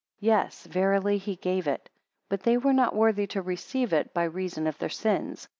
Yes, verily, he gave it; but they were not worthy to receive it by reason of their sins.